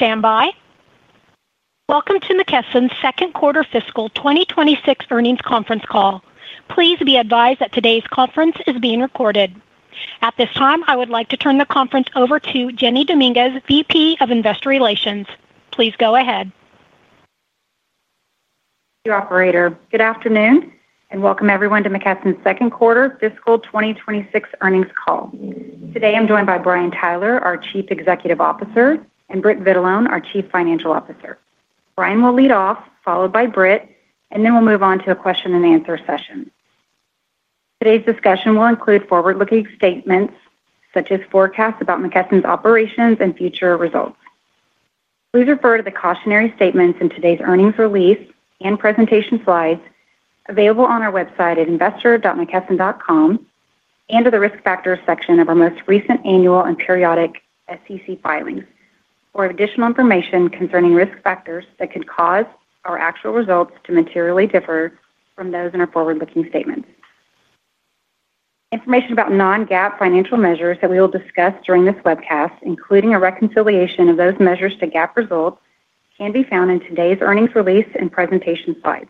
Please stand by. Welcome to McKesson's second quarter fiscal 2026 earnings conference call. Please be advised that today's conference is being recorded. At this time, I would like to turn the conference over to Jeni Dominguez, VP of Investor Relations. Please go ahead. Thank you, operator. Good afternoon and welcome everyone to McKesson's second quarter fiscal 2026 earnings call. Today I'm joined by Brian Tyler, our Chief Executive Officer, and Britt Vitalone, our Chief Financial Officer. Brian will lead off, followed by Britt, and then we'll move on to a question-and-answer session. Today's discussion will include forward-looking statements such as forecasts about McKesson's operations and future results. Please refer to the cautionary statements in today's earnings release and presentation slides available on our website at investor.mckesson.com and to the risk factors section of our most recent annual and periodic SEC filings for additional information concerning risk factors that could cause our actual results to materially differ from those in our forward-looking statements. Information about non-GAAP financial measures that we will discuss during this webcast, including a reconciliation of those measures to GAAP results, can be found in today's earnings release and presentation slides.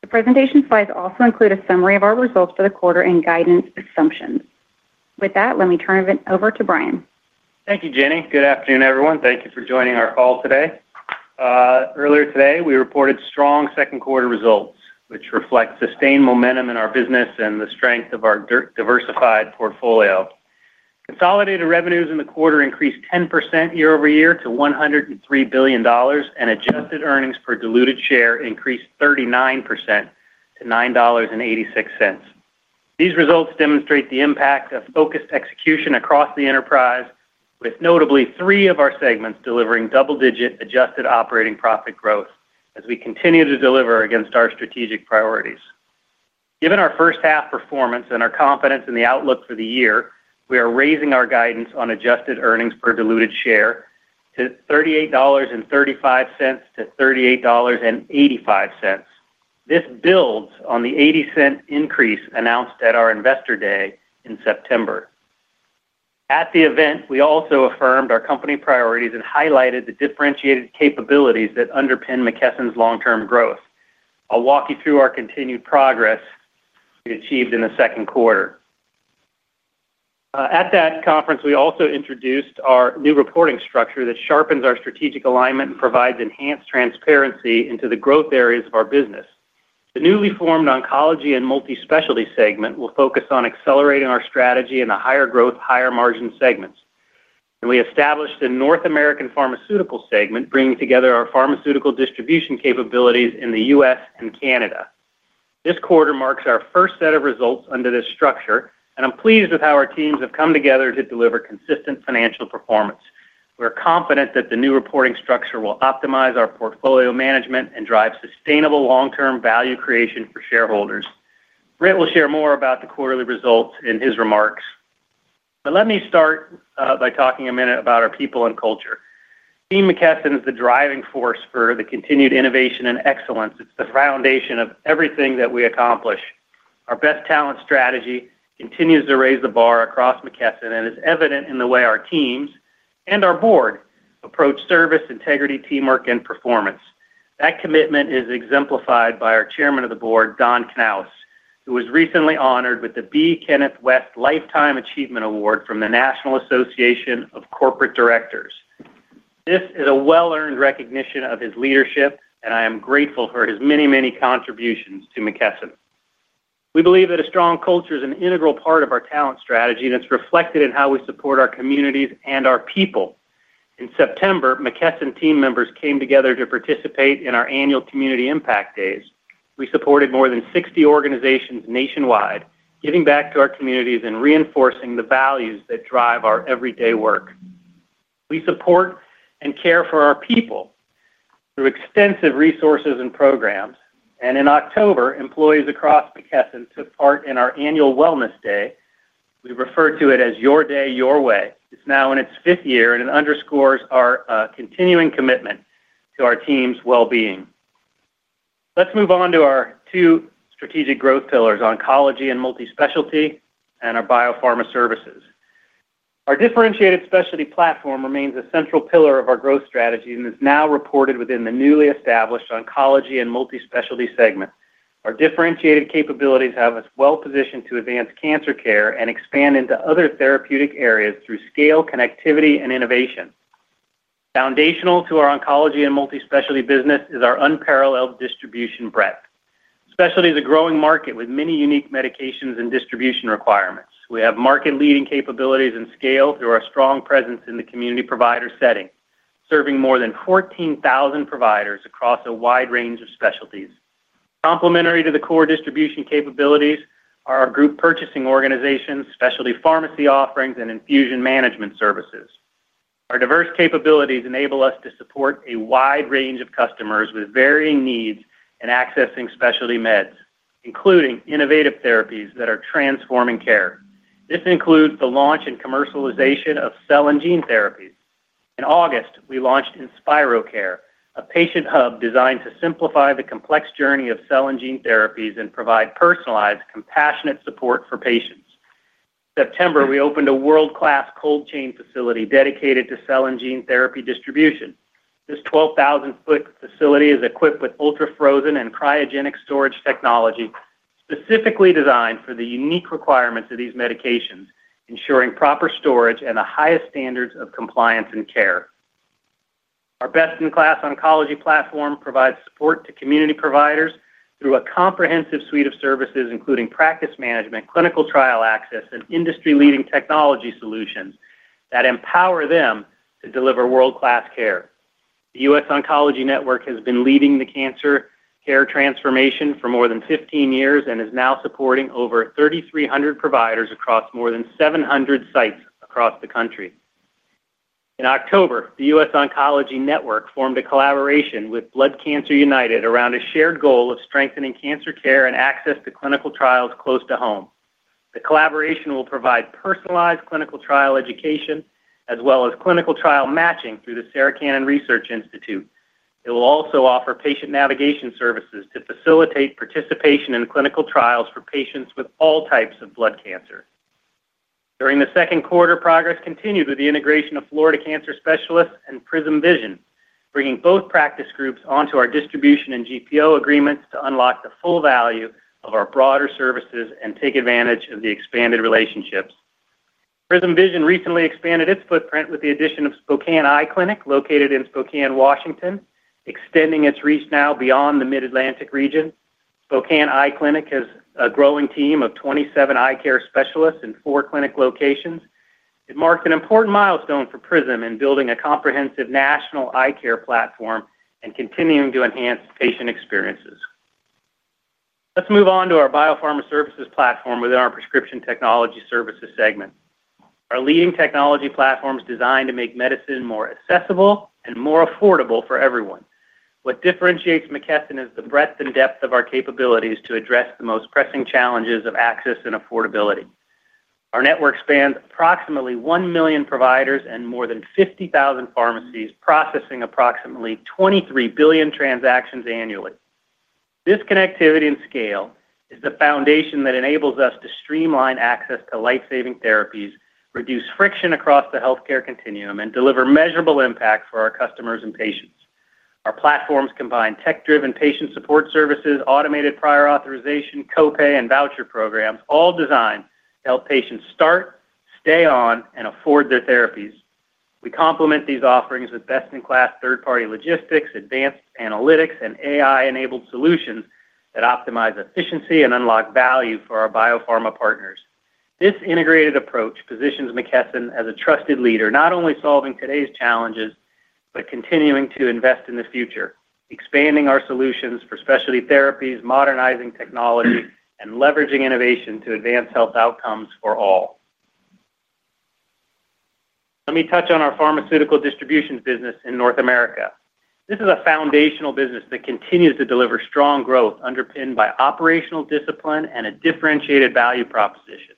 The presentation slides also include a summary of our results for the quarter and guidance assumptions. With that, let me turn it over to Brian. Thank you, Jeni. Good afternoon, everyone. Thank you for joining our call today. Earlier today, we reported strong second quarter results, which reflect sustained momentum in our business and the strength of our diversified portfolio. Consolidated revenues in the quarter increased 10% year-over-year to $103 billion, and adjusted earnings per diluted share increased 39% to $9.86. These results demonstrate the impact of focused execution across the enterprise, with notably three of our segments delivering double-digit adjusted operating profit growth as we continue to deliver against our strategic priorities. Given our first-half performance and our confidence in the outlook for the year, we are raising our guidance on adjusted earnings per diluted share to $38.35-$38.85. This builds on the $0.80 increase announced at our Investor Day in September. At the event, we also affirmed our company priorities and highlighted the differentiated capabilities that underpin McKesson's long-term growth. I'll walk you through our continued progress we achieved in the second quarter. At that conference, we also introduced our new reporting structure that sharpens our strategic alignment and provides enhanced transparency into the growth areas of our business. The newly formed Oncology and Multispecialty segment will focus on accelerating our strategy in the higher growth, higher margin segments. We established the North American Pharmaceutical segment, bringing together our pharmaceutical distribution capabilities in the U.S. and Canada. This quarter marks our first set of results under this structure, and I'm pleased with how our teams have come together to deliver consistent financial performance. We're confident that the new reporting structure will optimize our portfolio management and drive sustainable long-term value creation for shareholders. Britt will share more about the quarterly results in his remarks. Let me start by talking a minute about our people and culture. Team McKesson is the driving force for the continued innovation and excellence. It is the foundation of everything that we accomplish. Our best talent strategy continues to raise the bar across McKesson and is evident in the way our teams and our Board approach service, integrity, teamwork, and performance. That commitment is exemplified by our Chairman of the Board, Don Knauss, who was recently honored with the B. Kenneth West Lifetime Achievement Award from the National Association of Corporate Directors. This is a well-earned recognition of his leadership, and I am grateful for his many, many contributions to McKesson. We believe that a strong culture is an integral part of our talent strategy, and it is reflected in how we support our communities and our people. In September, McKesson team members came together to participate in our annual Community Impact Days. We supported more than 60 organizations nationwide, giving back to our communities and reinforcing the values that drive our everyday work. We support and care for our people through extensive resources and programs. In October, employees across McKesson took part in our annual Wellness Day. We refer to it as Your Day, Your Way. It is now in its fifth year, and it underscores our continuing commitment to our team's well-being. Let's move on to our two strategic growth pillars, Oncology and Multispecialty, and our biopharma services. Our differentiated specialty platform remains a central pillar of our growth strategy and is now reported within the newly established Oncology and Multispecialty segment. Our differentiated capabilities have us well-positioned to advance cancer care and expand into other therapeutic areas through scale, connectivity, and innovation. Foundational to our Oncology and Multispecialty business is our unparalleled distribution breadth. Specialty is a growing market with many unique medications and distribution requirements. We have market-leading capabilities and scale through our strong presence in the community provider setting, serving more than 14,000 providers across a wide range of specialties. Complementary to the core distribution capabilities are our group purchasing organizations, specialty pharmacy offerings, and infusion management services. Our diverse capabilities enable us to support a wide range of customers with varying needs and accessing specialty meds, including innovative therapies that are transforming care. This includes the launch and commercialization of cell and gene therapies. In August, we launched InspiroCare, a patient hub designed to simplify the complex journey of cell and gene therapies and provide personalized, compassionate support for patients. In September, we opened a world-class cold chain facility dedicated to cell and gene therapy distribution. 12,000 sq ft facility is equipped with ultra-frozen and cryogenic storage technology specifically designed for the unique requirements of these medications, ensuring proper storage and the highest standards of compliance and care. Our best-in-class oncology platform provides support to community providers through a comprehensive suite of services, including practice management, clinical trial access, and industry-leading technology solutions that empower them to deliver world-class care. The US Oncology Network has been leading the cancer care transformation for more than 15 years and is now supporting over 3,300 providers across more than 700 sites across the country. In October, The US Oncology Network formed a collaboration with Blood Cancer United around a shared goal of strengthening cancer care and access to clinical trials close to home. The collaboration will provide personalized clinical trial education as well as clinical trial matching through the Sarah Cannon Research Institute. It will also offer patient navigation services to facilitate participation in clinical trials for patients with all types of blood cancer. During the second quarter, progress continued with the integration of Florida Cancer Specialists and PRISM Vision, bringing both practice groups onto our distribution and GPO agreements to unlock the full value of our broader services and take advantage of the expanded relationships. PRISM Vision recently expanded its footprint with the addition of Spokane Eye Clinic, located in Spokane, Washington, extending its reach now beyond the Mid-Atlantic region. Spokane Eye Clinic has a growing team of 27 eye care specialists in four clinic locations. It marked an important milestone for PRISM in building a comprehensive national eye care platform and continuing to enhance patient experiences. Let's move on to our biopharma services platform within our Prescription Technology Services segment. Our leading technology platform is designed to make medicine more accessible and more affordable for everyone. What differentiates McKesson is the breadth and depth of our capabilities to address the most pressing challenges of access and affordability. Our network spans approximately 1 million providers and more than 50,000 pharmacies processing approximately 23 billion transactions annually. This connectivity and scale is the foundation that enables us to streamline access to lifesaving therapies, reduce friction across the healthcare continuum, and deliver measurable impact for our customers and patients. Our platforms combine tech-driven patient support services, automated prior authorization, copay, and voucher programs, all designed to help patients start, stay on, and afford their therapies. We complement these offerings with best-in-class third-party logistics, advanced analytics, and AI-enabled solutions that optimize efficiency and unlock value for our biopharma partners. This integrated approach positions McKesson as a trusted leader, not only solving today's challenges but continuing to invest in the future, expanding our solutions for specialty therapies, modernizing technology, and leveraging innovation to advance health outcomes for all. Let me touch on our Pharmaceutical distribution business in North America. This is a foundational business that continues to deliver strong growth underpinned by operational discipline and a differentiated value proposition.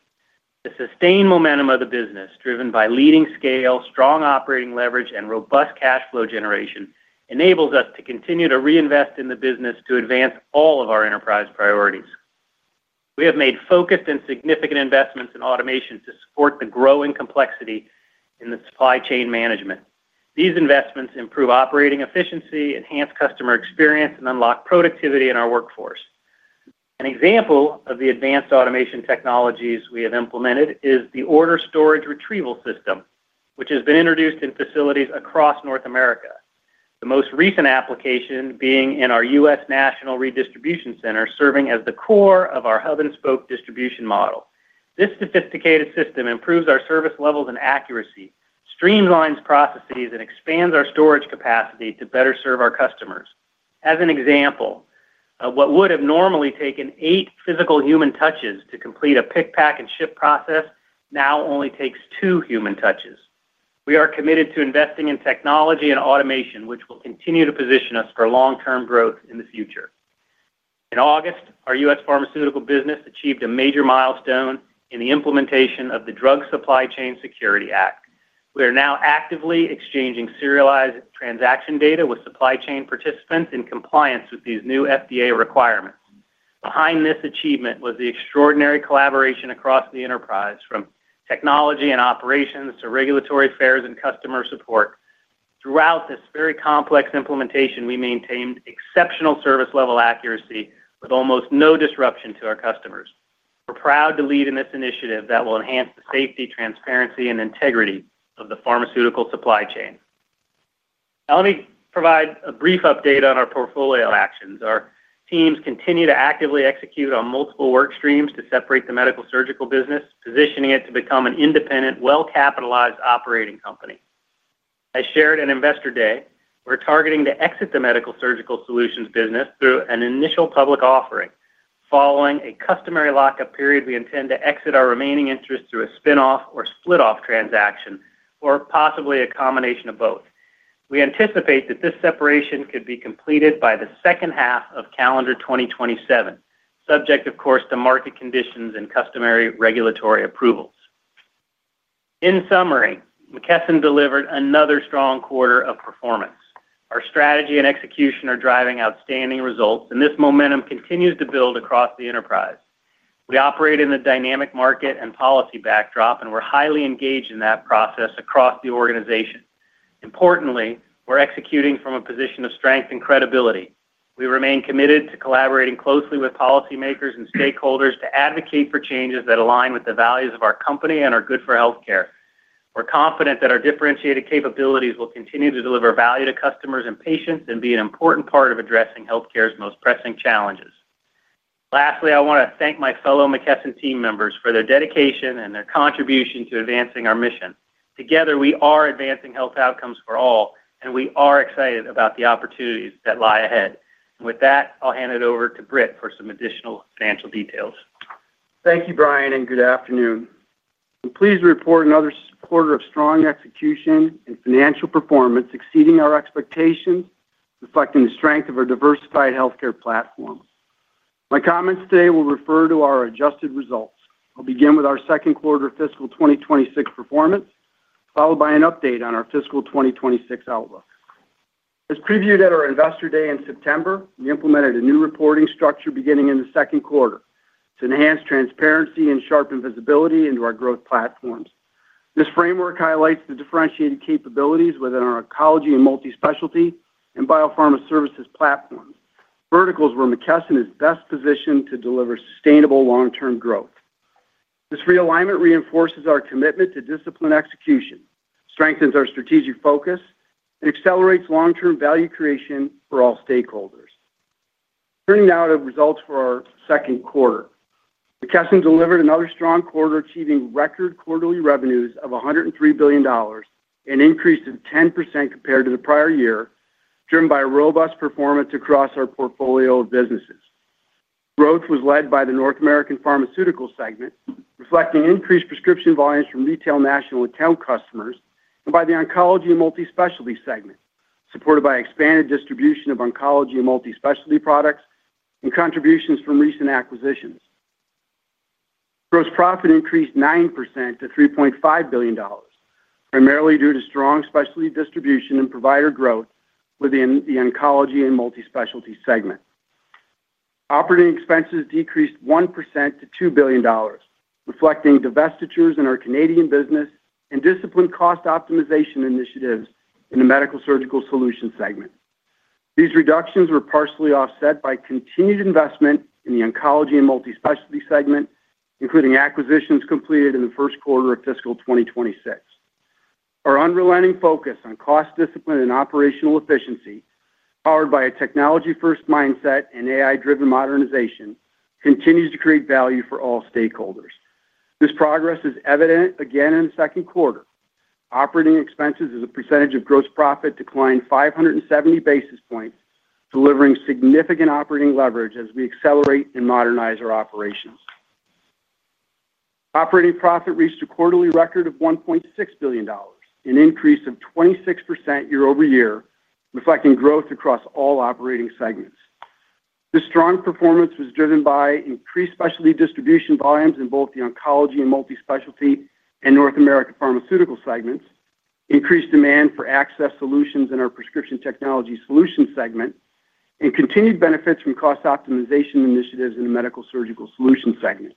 The sustained momentum of the business, driven by leading scale, strong operating leverage, and robust cash flow generation, enables us to continue to reinvest in the business to advance all of our enterprise priorities. We have made focused and significant investments in automation to support the growing complexity in the supply chain management. These investments improve operating efficiency, enhance customer experience, and unlock productivity in our workforce. An example of the advanced automation technologies we have implemented is the order storage retrieval system, which has been introduced in facilities across North America. The most recent application being in our U.S. National Redistribution Center, serving as the core of our hub-and-spoke distribution model. This sophisticated system improves our service levels and accuracy, streamlines processes, and expands our storage capacity to better serve our customers. As an example, what would have normally taken eight physical human touches to complete a pick, pack, and ship process now only takes two human touches. We are committed to investing in technology and automation, which will continue to position us for long-term growth in the future. In August, our U.S. pharmaceutical business achieved a major milestone in the implementation of the Drug Supply Chain Security Act. We are now actively exchanging serialized transaction data with supply chain participants in compliance with these new FDA requirements. Behind this achievement was the extraordinary collaboration across the enterprise, from technology and operations to regulatory affairs and customer support. Throughout this very complex implementation, we maintained exceptional service-level accuracy with almost no disruption to our customers. We're proud to lead in this initiative that will enhance the safety, transparency, and integrity of the pharmaceutical supply chain. Now, let me provide a brief update on our portfolio actions. Our teams continue to actively execute on multiple work streams to separate the Medical-Surgical business, positioning it to become an independent, well-capitalized operating company. As shared in Investor Day, we're targeting to exit the Medical-Surgical Solutions business through an initial public offering. Following a customary lockup period, we intend to exit our remaining interest through a spinoff or split-off transaction, or possibly a combination of both. We anticipate that this separation could be completed by the second half of calendar 2027, subject, of course, to market conditions and customary regulatory approvals. In summary, McKesson delivered another strong quarter of performance. Our strategy and execution are driving outstanding results, and this momentum continues to build across the enterprise. We operate in a dynamic market and policy backdrop, and we're highly engaged in that process across the organization. Importantly, we're executing from a position of strength and credibility. We remain committed to collaborating closely with policymakers and stakeholders to advocate for changes that align with the values of our company and our good for healthcare. We're confident that our differentiated capabilities will continue to deliver value to customers and patients and be an important part of addressing healthcare's most pressing challenges. Lastly, I want to thank my fellow McKesson team members for their dedication and their contribution to advancing our mission. Together, we are advancing health outcomes for all, and we are excited about the opportunities that lie ahead. With that, I'll hand it over to Britt for some additional financial details. Thank you, Brian, and good afternoon. I'm pleased to report another quarter of strong execution and financial performance exceeding our expectations, reflecting the strength of our diversified healthcare platform. My comments today will refer to our adjusted results. I'll begin with our second quarter fiscal 2026 performance, followed by an update on our fiscal 2026 outlook. As previewed at our Investor Day in September, we implemented a new reporting structure beginning in the second quarter to enhance transparency and sharpen visibility into our growth platforms. This framework highlights the differentiated capabilities within our Oncology and Multispecialty and biopharma services platforms, verticals where McKesson is best positioned to deliver sustainable long-term growth. This realignment reinforces our commitment to discipline execution, strengthens our strategic focus, and accelerates long-term value creation for all stakeholders. Turning now to results for our second quarter, McKesson delivered another strong quarter, achieving record quarterly revenues of $103 billion, an increase of 10% compared to the prior year, driven by robust performance across our portfolio of businesses. Growth was led by the North American Pharmaceutical segment, reflecting increased prescription volumes from retail national account customers, and by the Oncology and Multispecialty segment, supported by expanded distribution of Oncology and Multispecialty products and contributions from recent acquisitions. Gross profit increased 9% to $3.5 billion, primarily due to strong specialty distribution and provider growth within the Oncology and Multispecialty segment. Operating expenses decreased 1% to $2 billion, reflecting divestitures in our Canadian business and disciplined cost optimization initiatives in the Medical-Surgical Solutions segment. These reductions were partially offset by continued investment in the Oncology and Multispecialty segment, including acquisitions completed in the first quarter of fiscal 2026. Our underlying focus on cost discipline and operational efficiency, powered by a technology-first mindset and AI-driven modernization, continues to create value for all stakeholders. This progress is evident again in the second quarter. Operating expenses as a percentage of gross profit declined 570 basis points, delivering significant operating leverage as we accelerate and modernize our operations. Operating profit reached a quarterly record of $1.6 billion, an increase of 26% year-over-year, reflecting growth across all operating segments. This strong performance was driven by increased specialty distribution volumes in both the Oncology and Multispecialty and North American Pharmaceutical segments, increased demand for access solutions in our Prescription Technology Solutions segment, and continued benefits from cost optimization initiatives in the Medical-Surgical Solutions segment.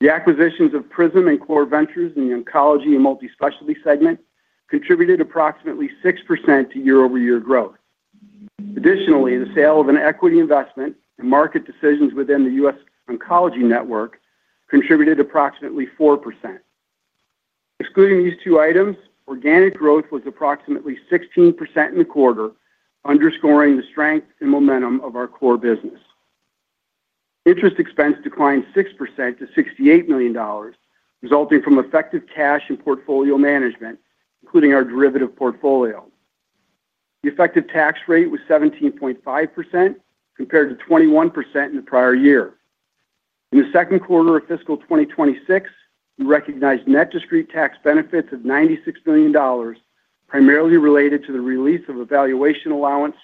The acquisitions of PRISM and Core Ventures in the Oncology and Multispecialty segment contributed approximately 6% to year-over-year growth. Additionally, the sale of an equity investment and market decisions within The US Oncology Network contributed approximately 4%. Excluding these two items, organic growth was approximately 16% in the quarter, underscoring the strength and momentum of our core business. Interest expense declined 6% to $68 million, resulting from effective cash and portfolio management, including our derivative portfolio. The effective tax rate was 17.5% compared to 21% in the prior year. In the second quarter of fiscal 2026, we recognized net discrete tax benefits of $96 million, primarily related to the release of a valuation allowance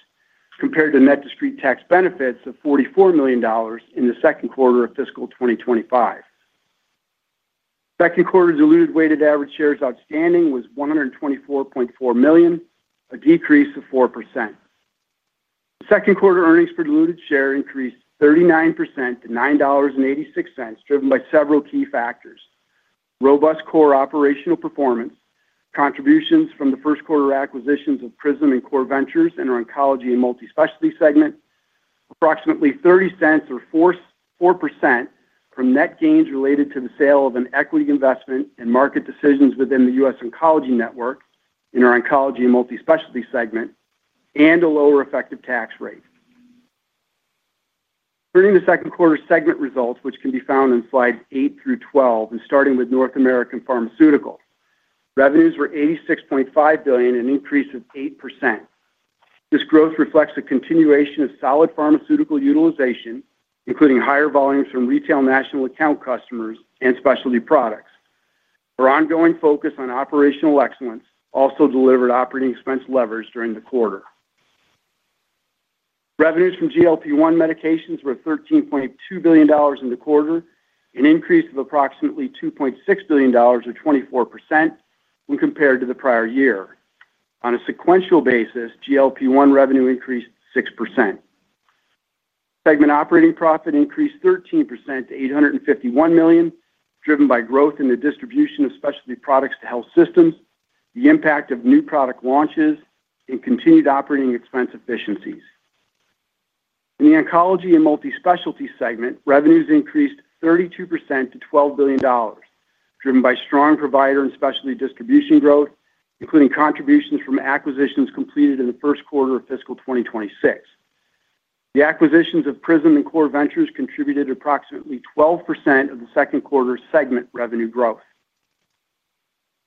compared to net discrete tax benefits of $44 million in the second quarter of fiscal 2025. Second quarter diluted weighted average shares outstanding was 124.4 million, a decrease of 4%. Second quarter earnings per diluted share increased 39% to $9.86, driven by several key factors: robust core operational performance, contributions from the first quarter acquisitions of PRISM and Core Ventures in our Oncology and Multispecialty segment, approximately $0.30 or 4% from net gains related to the sale of an equity investment and market decisions within The US Oncology Network in our Oncology and Multispecialty, and a lower effective tax rate. Turning to second quarter segment results, which can be found in slides eight through 12, and starting with North American Pharmaceuticals, revenues were $86.5 billion, an increase of 8%. This growth reflects a continuation of solid pharmaceutical utilization, including higher volumes from retail national account customers and specialty products. Our ongoing focus on operational excellence also delivered operating expense levers during the quarter. Revenues from GLP-1 medications were $13.2 billion in the quarter, an increase of approximately $2.6 billion, or 24%, when compared to the prior year. On a sequential basis, GLP-1 revenue increased 6%. Segment operating profit increased 13% to $851 million, driven by growth in the distribution of specialty products to health systems, the impact of new product launches, and continued operating expense efficiencies. In the Oncology and Multispecialty segment, revenues increased 32% to $12 billion, driven by strong provider and specialty distribution growth, including contributions from acquisitions completed in the first quarter of fiscal 2026. The acquisitions of PRISM and Core Ventures contributed approximately 12% of the second quarter segment revenue growth.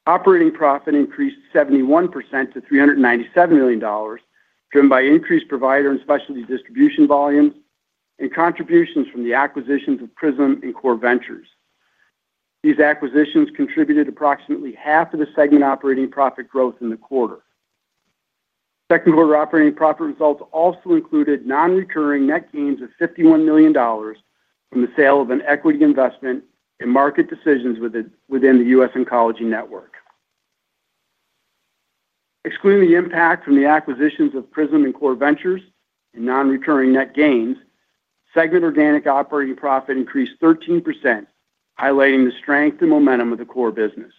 Operating profit increased 71% to $397 million, driven by increased provider and specialty distribution volumes and contributions from the acquisitions of PRISM and Core Ventures. These acquisitions contributed approximately half of the segment operating profit growth in the quarter. Second quarter operating profit results also included non-recurring net gains of $51 million from the sale of an equity investment and market decisions within The US Oncology Network. Excluding the impact from the acquisitions of PRISM and Core Ventures and non-recurring net gains, segment organic operating profit increased 13%, highlighting the strength and momentum of the core business.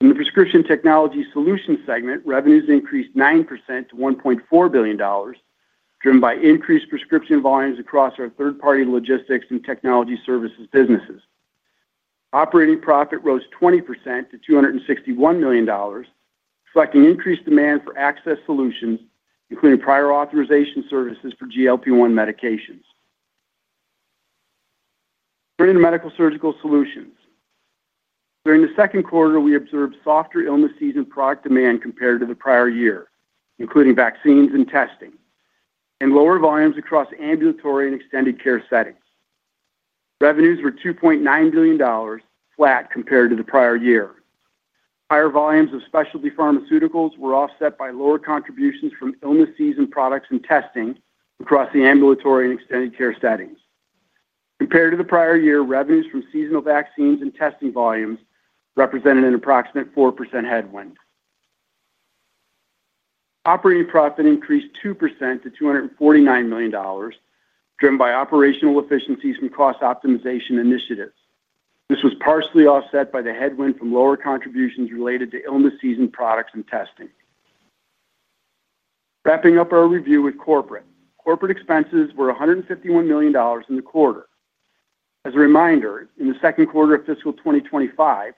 In the Prescription Technology Solutions segment, revenues increased 9% to $1.4 billion, driven by increased prescription volumes across our third-party logistics and technology services businesses. Operating profit rose 20% to $261 million, reflecting increased demand for access solutions, including prior authorization services for GLP-1 medications. Turning to Medical-Surgical Solutions. During the second quarter, we observed softer illnesses and product demand compared to the prior year, including vaccines and testing, and lower volumes across ambulatory and extended care settings. Revenues were $2.9 billion, flat compared to the prior year. Higher volumes of specialty pharmaceuticals were offset by lower contributions from illnesses and products and testing across the ambulatory and extended care settings. Compared to the prior year, revenues from seasonal vaccines and testing volumes represented an approximate 4% headwind. Operating profit increased 2% to $249 million, driven by operational efficiencies from cost optimization initiatives. This was partially offset by the headwind from lower contributions related to illnesses and products and testing. Wrapping up our review with corporate, corporate expenses were $151 million in the quarter. As a reminder, in the second quarter of fiscal 2025,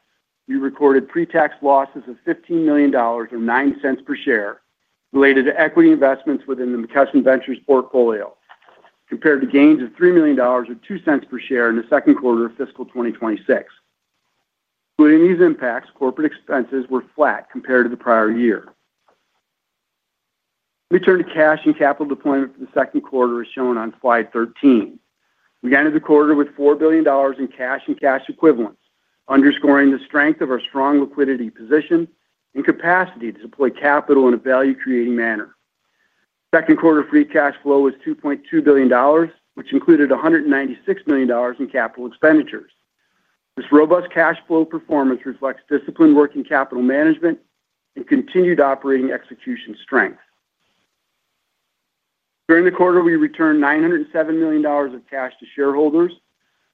we recorded pre-tax losses of $15 million, or $0.09 per share, related to equity investments within the McKesson Ventures portfolio, compared to gains of $3 million, or $0.02 per share, in the second quarter of fiscal 2026. Due to these impacts, corporate expenses were flat compared to the prior year. Return to cash and capital deployment for the second quarter is shown on slide 13. We ended the quarter with $4 billion in cash and cash equivalents, underscoring the strength of our strong liquidity position and capacity to deploy capital in a value-creating manner. Second quarter free cash flow was $2.2 billion, which included $196 million in capital expenditures. This robust cash flow performance reflects disciplined working capital management and continued operating execution strength. During the quarter, we returned $907 million of cash to shareholders,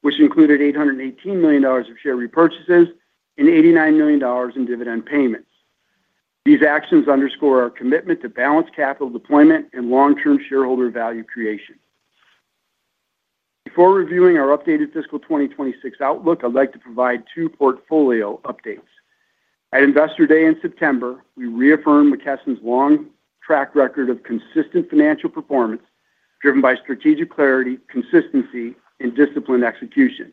which included $818 million of share repurchases and $89 million in dividend payments. These actions underscore our commitment to balanced capital deployment and long-term shareholder value creation. Before reviewing our updated fiscal 2026 outlook, I'd like to provide two portfolio updates. At Investor Day in September, we reaffirmed McKesson's long-track record of consistent financial performance, driven by strategic clarity, consistency, and disciplined execution.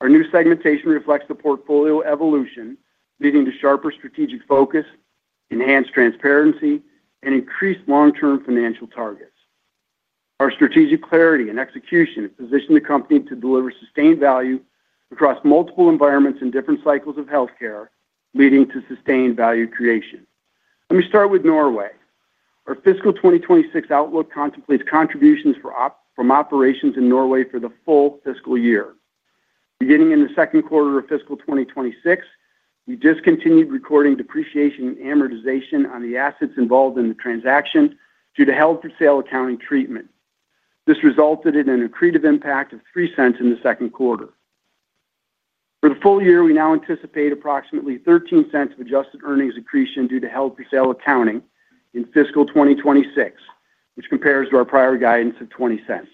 Our new segmentation reflects the portfolio evolution, leading to sharper strategic focus, enhanced transparency, and increased long-term financial targets. Our strategic clarity and execution position the company to deliver sustained value across multiple environments in different cycles of healthcare, leading to sustained value creation. Let me start with Norway. Our fiscal 2026 outlook contemplates contributions from operations in Norway for the full fiscal year. Beginning in the second quarter of fiscal 2026, we discontinued recording depreciation and amortization on the assets involved in the transaction due to held-for-sale accounting treatment. This resulted in an accretive impact of $0.03 in the second quarter. For the full year, we now anticipate approximately $0.13 of adjusted earnings accretion due to held-for-sale accounting in fiscal 2026, which compares to our prior guidance of $0.20.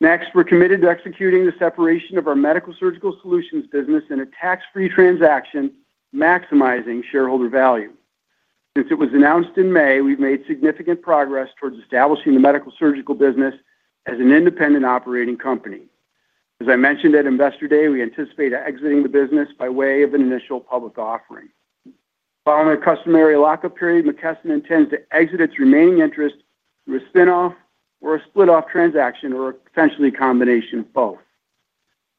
Next, we're committed to executing the separation of our Medical-Surgical Solutions business in a tax-free transaction, maximizing shareholder value. Since it was announced in May, we've made significant progress towards establishing the Medical-Surgical business as an independent operating company. As I mentioned at Investor Day, we anticipate exiting the business by way of an initial public offering. Following a customary lockup period, McKesson intends to exit its remaining interest through a spin-off or a split-off transaction, or potentially a combination of both.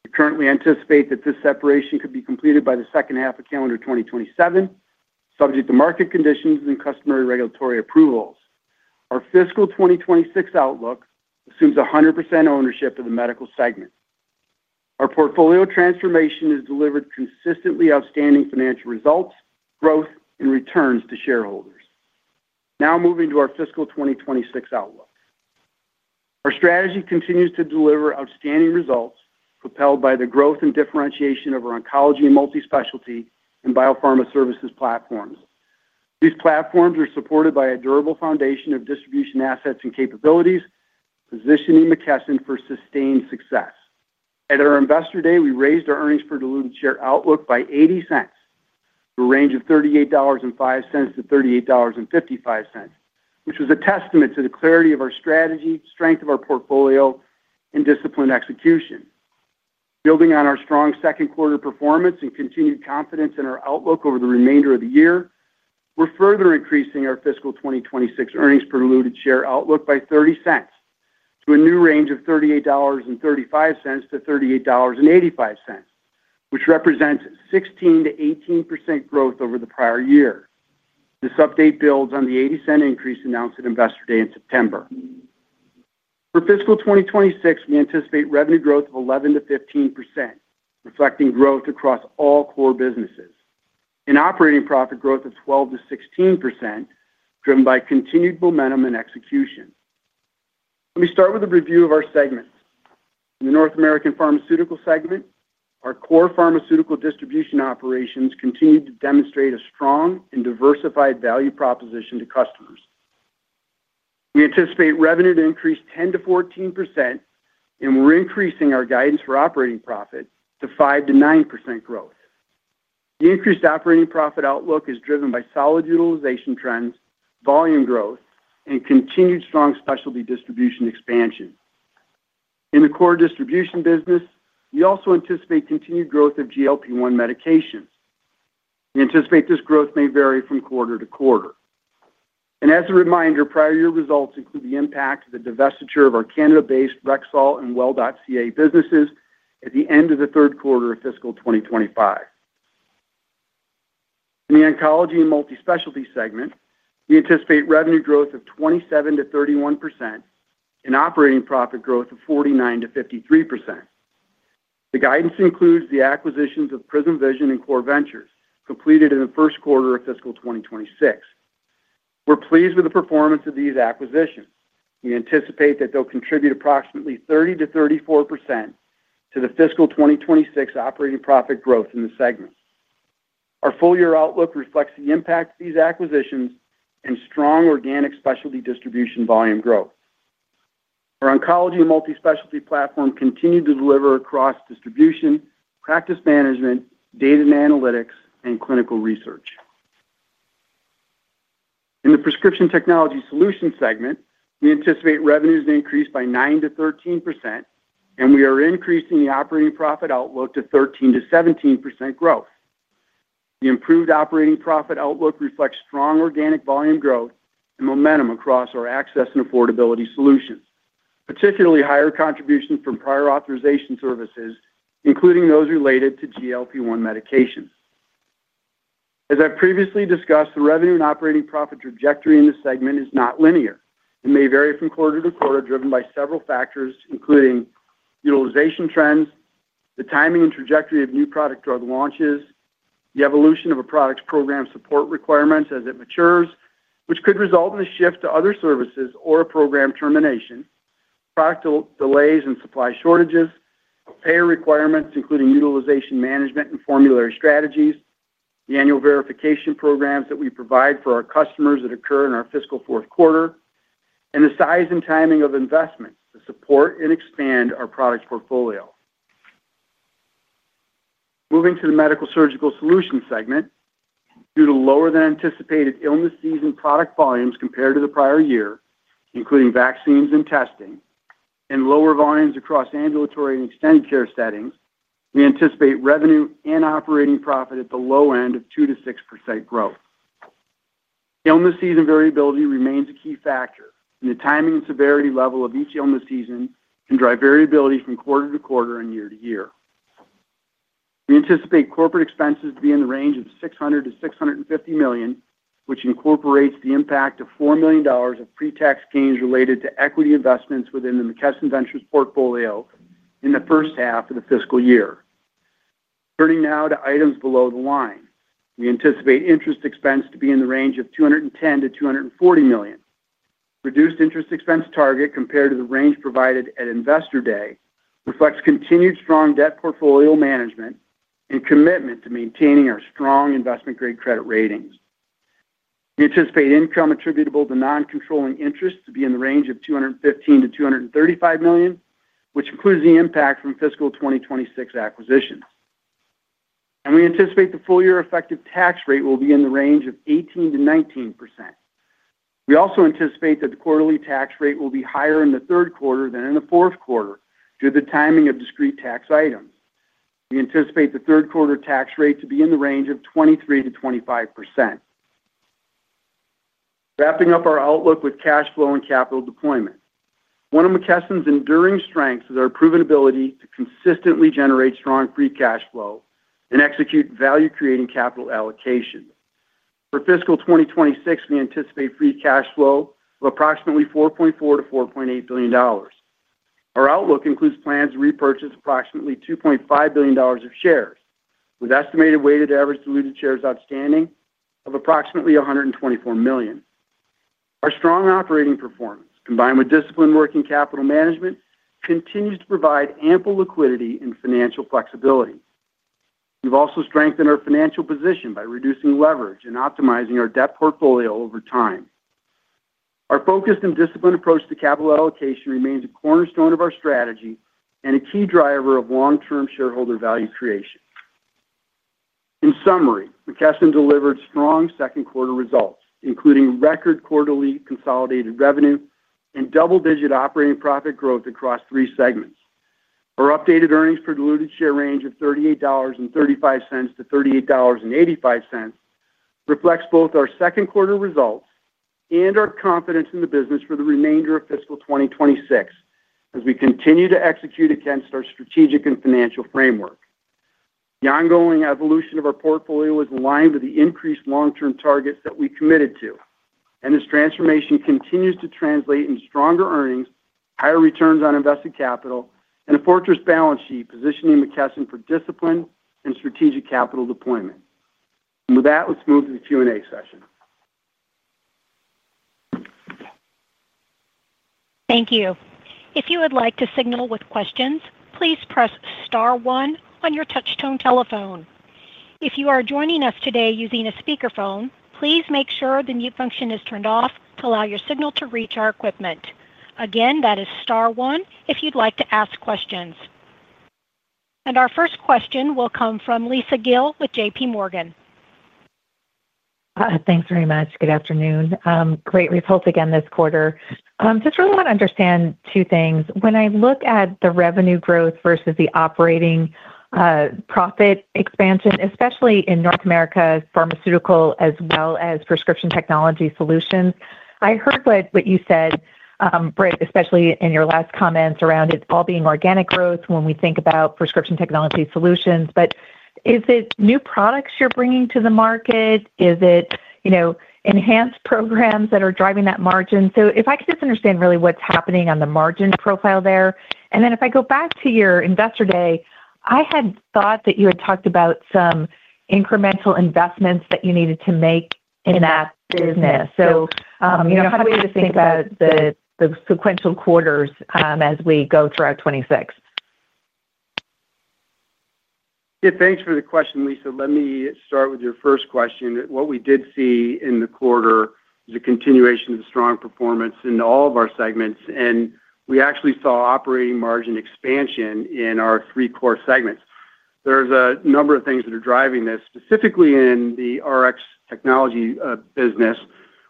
We currently anticipate that this separation could be completed by the second half of calendar 2027, subject to market conditions and customary regulatory approvals. Our fiscal 2026 outlook assumes 100% ownership of the medical segment. Our portfolio transformation has delivered consistently outstanding financial results, growth, and returns to shareholders. Now moving to our fiscal 2026 outlook. Our strategy continues to deliver outstanding results, propelled by the growth and differentiation of our Oncology and Multispecialty and biopharma services platforms. These platforms are supported by a durable foundation of distribution assets and capabilities, positioning McKesson for sustained success. At our Investor Day, we raised our earnings per diluted share outlook by $0.80, a range of $38.05-$38.55, which was a testament to the clarity of our strategy, strength of our portfolio, and disciplined execution. Building on our strong second quarter performance and continued confidence in our outlook over the remainder of the year, we're further increasing our fiscal 2026 earnings per diluted share outlook by $0.30 to a new range of $38.35-$38.85, which represents 16%-18% growth over the prior year. This update builds on the $0.80 increase announced at Investor Day in September. For fiscal 2026, we anticipate revenue growth of 11%-15%, reflecting growth across all core businesses, and operating profit growth of 12%-16%, driven by continued momentum and execution. Let me start with a review of our segments. In the North American Pharmaceutical segment, our core pharmaceutical distribution operations continue to demonstrate a strong and diversified value proposition to customers. We anticipate revenue to increase 10%-14%. We're increasing our guidance for operating profit to 5%-9% growth. The increased operating profit outlook is driven by solid utilization trends, volume growth, and continued strong specialty distribution expansion. In the core distribution business, we also anticipate continued growth of GLP-1 medications. We anticipate this growth may vary from quarter to quarter. As a reminder, prior year results include the impact of the divestiture of our Canada-based Rexall and Well.ca businesses at the end of the third quarter of fiscal 2025. In the Oncology and Multispecialty segment, we anticipate revenue growth of 27%-31% and operating profit growth of 49%-53%. The guidance includes the acquisitions of PRISM Vision and Core Ventures, completed in the first quarter of fiscal 2026. We are pleased with the performance of these acquisitions. We anticipate that they will contribute approximately 30%-34% to the fiscal 2026 operating profit growth in the segment. Our full year outlook reflects the impact of these acquisitions and strong organic specialty distribution volume growth. Our Oncology and Multispecialty platform continues to deliver across distribution, practice management, data and analytics, and clinical research. In the Prescription Technology Solutions segment, we anticipate revenues to increase by 9%-13%, and we are increasing the operating profit outlook to 13%-17% growth. The improved operating profit outlook reflects strong organic volume growth and momentum across our access and affordability solutions, particularly higher contributions from prior authorization services, including those related to GLP-1 medications. As I've previously discussed, the revenue and operating profit trajectory in this segment is not linear and may vary from quarter to quarter, driven by several factors, including utilization trends, the timing and trajectory of new product drug launches, the evolution of a product's program support requirements as it matures, which could result in a shift to other services or a program termination, product delays and supply shortages, payer requirements, including utilization management and formulary strategies, the annual verification programs that we provide for our customers that occur in our fiscal fourth quarter, and the size and timing of investments to support and expand our product portfolio. Moving to the Medical-Surgical Solutions segment. Due to lower-than-anticipated illnesses and product volumes compared to the prior year, including vaccines and testing, and lower volumes across ambulatory and extended care settings, we anticipate revenue and operating profit at the low end of 2%-6% growth. Illnesses and variability remain a key factor, and the timing and severity level of each illness season can drive variability from quarter to quarter and year to year. We anticipate corporate expenses to be in the range of $600 million-$650 million, which incorporates the impact of $4 million of pre-tax gains related to equity investments within the McKesson Ventures portfolio in the first half of the fiscal year. Turning now to items below the line, we anticipate interest expense to be in the range of $210 million-$240 million. Reduced interest expense target compared to the range provided at Investor Day reflects continued strong debt portfolio management and commitment to maintaining our strong investment-grade credit ratings. We anticipate income attributable to non-controlling interest to be in the range of $215 million-$235 million, which includes the impact from fiscal 2026 acquisitions. We anticipate the full-year effective tax rate will be in the range of 18%-19%. We also anticipate that the quarterly tax rate will be higher in the third quarter than in the fourth quarter due to the timing of discrete tax items. We anticipate the third-quarter tax rate to be in the range of 23%-25%. Wrapping up our outlook with cash flow and capital deployment. One of McKesson's enduring strengths is our proven ability to consistently generate strong free cash flow and execute value-creating capital allocation. For fiscal 2026, we anticipate free cash flow of approximately $4.4 billion-$4.8 billion. Our outlook includes plans to repurchase approximately $2.5 billion of shares, with estimated weighted average diluted shares outstanding of approximately 124 million. Our strong operating performance, combined with disciplined working capital management, continues to provide ample liquidity and financial flexibility. We've also strengthened our financial position by reducing leverage and optimizing our debt portfolio over time. Our focused and disciplined approach to capital allocation remains a cornerstone of our strategy and a key driver of long-term shareholder value creation. In summary, McKesson delivered strong second-quarter results, including record quarterly consolidated revenue and double-digit operating profit growth across three segments. Our updated earnings per diluted share range of $38.35-$38.85 reflects both our second-quarter results and our confidence in the business for the remainder of fiscal 2026, as we continue to execute against our strategic and financial framework. The ongoing evolution of our portfolio is aligned with the increased long-term targets that we committed to, and this transformation continues to translate into stronger earnings, higher returns on invested capital, and a fortress balance sheet positioning McKesson for discipline and strategic capital deployment. With that, let's move to the Q&A session. Thank you. If you would like to signal with questions, please press star one on your touch-tone telephone. If you are joining us today using a speakerphone, please make sure the mute function is turned off to allow your signal to reach our equipment. Again, that is star one if you'd like to ask questions. Our first question will come from Lisa Gill with JPMorgan. Thanks very much. Good afternoon. Great results again this quarter. Just really want to understand two things. When I look at the revenue growth versus the operating profit expansion, especially in North America's Pharmaceutical as well as Prescription Technology Solutions, I heard what you said, especially in your last comments around it all being organic growth when we think about Prescription Technology Solutions. But is it new products you're bringing to the market? Is it enhanced programs that are driving that margin? If I could just understand really what is happening on the margin profile there. If I go back to your Investor Day, I had thought that you had talked about some incremental investments that you needed to make in that business. How do we just think about the sequential quarters as we go throughout 2026? Yeah, thanks for the question, Lisa. Let me start with your first question. What we did see in the quarter is a continuation of the strong performance in all of our segments, and we actually saw operating margin expansion in our three core segments. There are a number of things that are driving this. Specifically in the Rx technology business,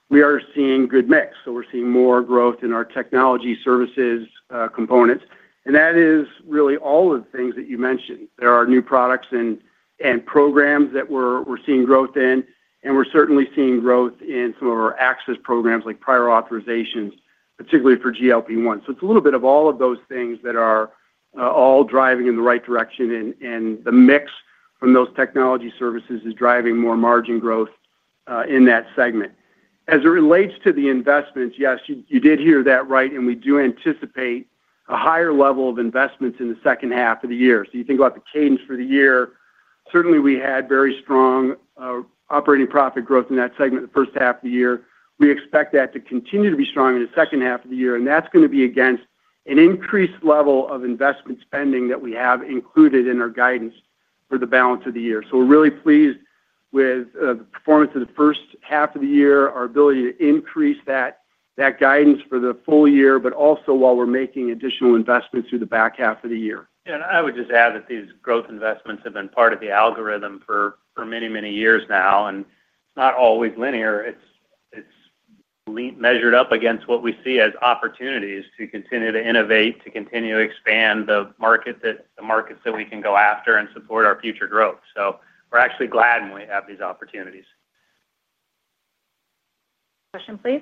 we are seeing good mix. We are seeing more growth in our technology services components. That is really all of the things that you mentioned. There are new products and programs that we're seeing growth in, and we're certainly seeing growth in some of our access programs like prior authorizations, particularly for GLP-1. It is a little bit of all of those things that are all driving in the right direction, and the mix from those technology services is driving more margin growth in that segment. As it relates to the investments, yes, you did hear that right, and we do anticipate a higher level of investments in the second half of the year. You think about the cadence for the year, certainly we had very strong operating profit growth in that segment the first half of the year. We expect that to continue to be strong in the second half of the year, and that's going to be against an increased level of investment spending that we have included in our guidance for the balance of the year. We are really pleased with the performance of the first half of the year, our ability to increase that guidance for the full year, but also while we are making additional investments through the back half of the year. I would just add that these growth investments have been part of the algorithm for many, many years now, and it's not always linear. It's measured up against what we see as opportunities to continue to innovate, to continue to expand the markets that we can go after and support our future growth. We are actually glad when we have these opportunities. Question, please.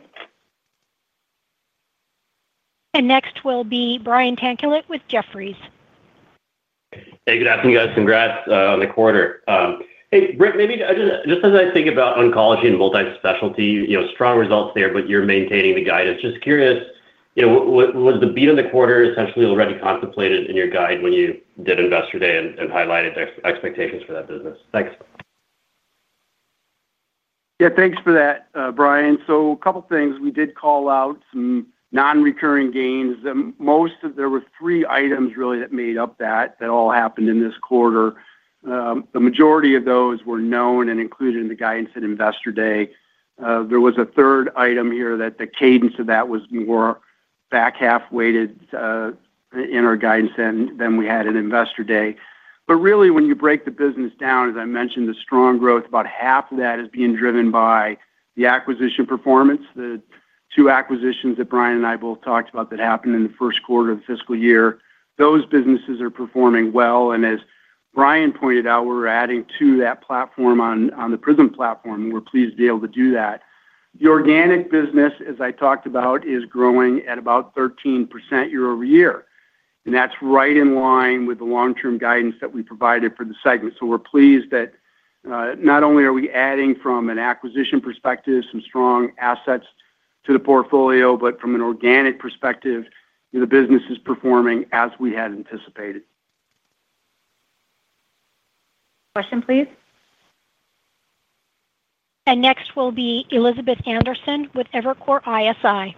Next will be Brian Tanquilut with Jefferies. Hey, good afternoon, guys. Congrats on the quarter. Hey, Britt, maybe just as I think about Oncology and Multispecialty, strong results there, but you're maintaining the guidance. Just curious. Was the beat of the quarter essentially already contemplated in your guide when you did Investor Day and highlighted expectations for that business? Thanks. Yeah, thanks for that, Brian. A couple of things. We did call out some non-recurring gains. There were three items really that made up that, that all happened in this quarter. The majority of those were known and included in the guidance at Investor Day. There was a third item here that the cadence of that was more back half-weighted in our guidance than we had in Investor Day. Really, when you break the business down, as I mentioned, the strong growth, about half of that is being driven by the acquisition performance, the two acquisitions that Brian and I both talked about that happened in the first quarter of the fiscal year. Those businesses are performing well. As Brian pointed out, we're adding to that platform on the PRISM platform, and we're pleased to be able to do that. The organic business, as I talked about, is growing at about 13% year-over-year. That's right in line with the long-term guidance that we provided for the segment. We're pleased that not only are we adding from an acquisition perspective some strong assets to the portfolio, but from an organic perspective, the business is performing as we had anticipated. Question, please. Next will be Elizabeth Anderson with Evercore ISI.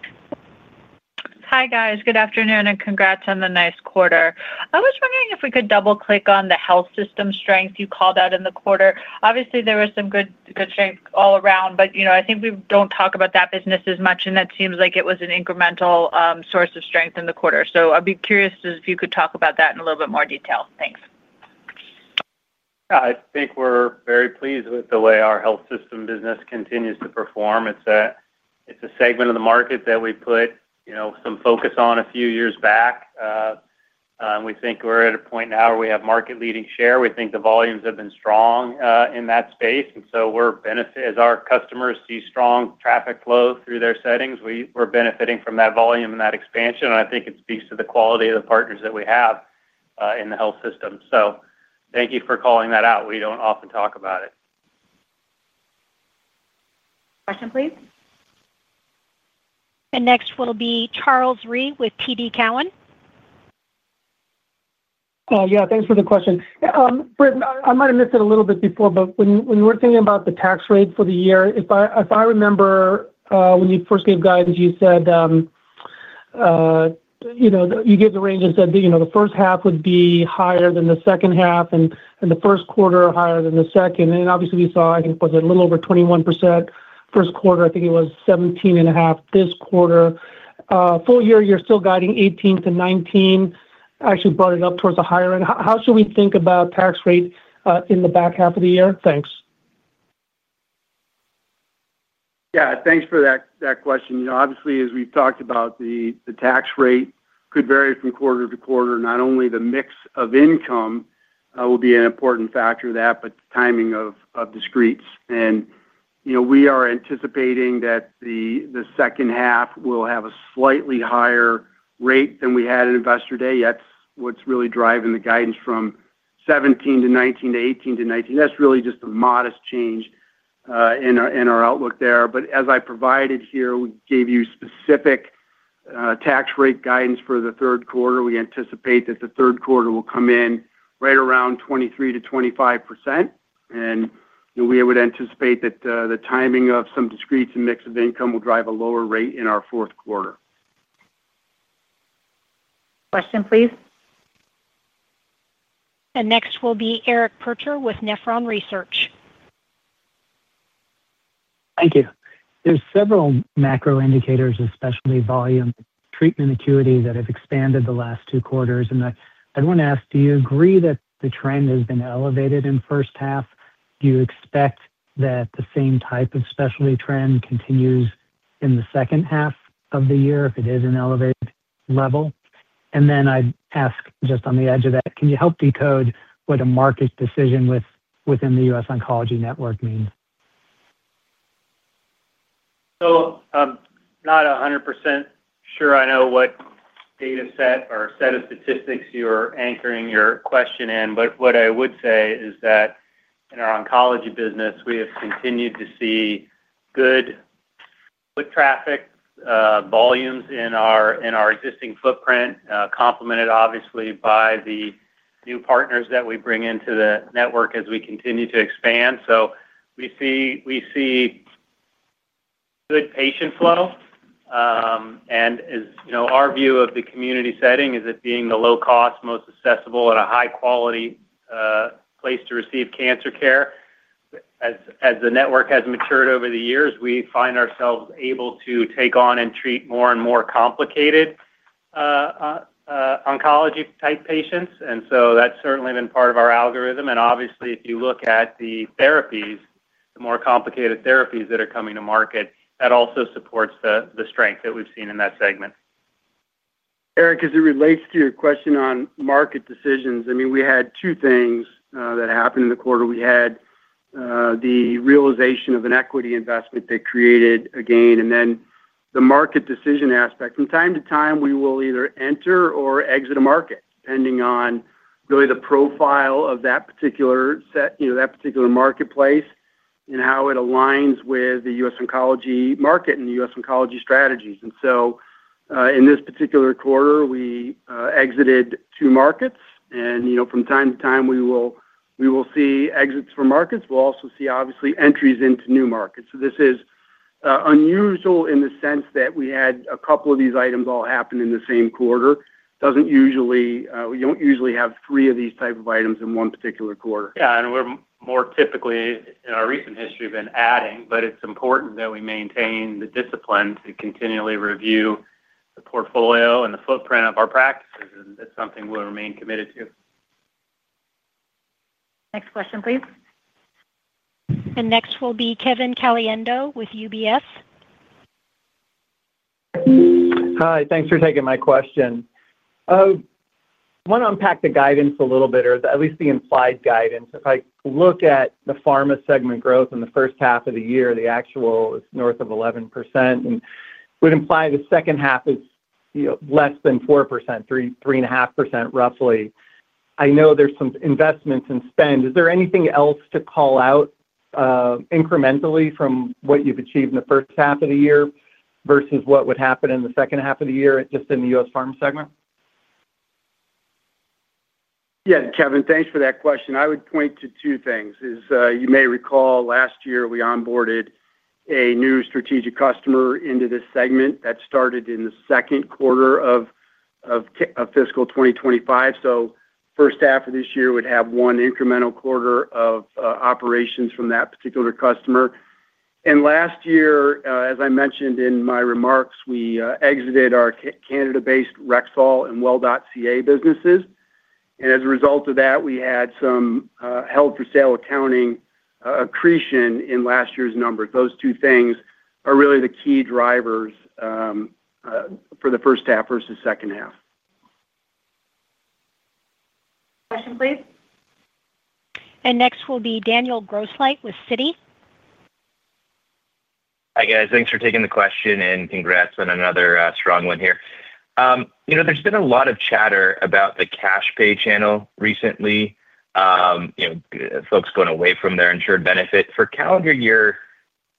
Hi, guys. Good afternoon and congrats on the nice quarter. I was wondering if we could double-click on the health system strength you called out in the quarter. Obviously, there was some good strength all around, but I think we do not talk about that business as much, and that seems like it was an incremental source of strength in the quarter. I would be curious if you could talk about that in a little bit more detail. Thanks. I think we are very pleased with the way our health system business continues to perform. It is a segment of the market that we put some focus on a few years back. We think we are at a point now where we have market-leading share. We think the volumes have been strong in that space. As our customers see strong traffic flow through their settings, we are benefiting from that volume and that expansion. I think it speaks to the quality of the partners that we have in the health system. Thank you for calling that out. We do not often talk about it. Question, please. Next will be Charles Rhyee with TD Cowen. Yeah, thanks for the question. Britt, I might have missed it a little bit before, but when we are thinking about the tax rate for the year, if I remember. When you first gave guidance, you said. You gave the range and said the first half would be higher than the second half and the first quarter higher than the second. Obviously, we saw, I think, was it a little over 21% first quarter? I think it was 17.5% this quarter. Full year, you are still guiding 18%-19%. Actually brought it up towards the higher end. How should we think about tax rate in the back half of the year? Thanks. Yeah, thanks for that question. Obviously, as we've talked about, the tax rate could vary from quarter to quarter. Not only the mix of income will be an important factor of that, but the timing of discretes. We are anticipating that the second half will have a slightly higher rate than we had in Investor Day. That is what is really driving the guidance from 17%-19% to 18%-19%. That is really just a modest change in our outlook there. As I provided here, we gave you specific tax rate guidance for the third quarter. We anticipate that the third quarter will come in right around 23%-25%. We would anticipate that the timing of some discrete and mix of income will drive a lower rate in our fourth quarter. Question, please. Next will be Eric Percher with Nephron Research. Thank you. There are several macro indicators, especially volume, treatment acuity, that have expanded the last two quarters. I want to ask, do you agree that the trend has been elevated in the first half? Do you expect that the same type of specialty trend continues in the second half of the year if it is at an elevated level? I would also ask, just on the edge of that, can you help decode what a market decision within The US Oncology Network means? I am not 100% sure I know what dataset or set of statistics you are anchoring your question in, but what I would say is that in our oncology business, we have continued to see good traffic. Volumes in our existing footprint, complemented obviously by the new partners that we bring into the network as we continue to expand. We see good patient flow. Our view of the community setting is it being the low-cost, most accessible, and a high-quality place to receive cancer care. As the network has matured over the years, we find ourselves able to take on and treat more and more complicated oncology-type patients. That has certainly been part of our algorithm. Obviously, if you look at the therapies, the more complicated therapies that are coming to market, that also supports the strength that we've seen in that segment. Eric, as it relates to your question on market decisions, I mean, we had two things that happened in the quarter. We had the realization of an equity investment that created a gain, and then the market decision aspect. From time to time, we will either enter or exit a market, depending on really the profile of that particular marketplace and how it aligns with The US Oncology market and The US Oncology strategies. In this particular quarter, we exited two markets. From time to time, we will see exits from markets. We'll also see, obviously, entries into new markets. This is unusual in the sense that we had a couple of these items all happen in the same quarter. We do not usually have three of these types of items in one particular quarter. Yeah, and we're more typically, in our recent history, been adding, but it's important that we maintain the discipline to continually review the portfolio and the footprint of our practices. It's something we'll remain committed to. Next question, please. Next will be Kevin Caliendo with UBS. Hi, thanks for taking my question. I want to unpack the guidance a little bit, or at least the implied guidance. If I look at the Pharma segment growth in the first half of the year, the actual is north of 11%. And it would imply the second half is less than 4%, 3.5%, roughly. I know there's some investments in spend. Is there anything else to call out incrementally from what you've achieved in the first half of the year versus what would happen in the second half of the year just in the U.S. Pharma segment? Yeah, Kevin, thanks for that question. I would point to two things. As you may recall, last year, we onboarded a new strategic customer into this segment that started in the second quarter of fiscal 2025. First half of this year would have one incremental quarter of operations from that particular customer. Last year, as I mentioned in my remarks, we exited our Canada-based Rexall and Well.ca businesses. As a result of that, we had some held-for-sale accounting accretion in last year's numbers. Those two things are really the key drivers for the first half versus second half. Question, please. Next will be Daniel Grosslight with Citi. Hi, guys. Thanks for taking the question, and congrats on another strong one here. There has been a lot of chatter about the cash pay channel recently. Folks going away from their insured benefit. For calendar year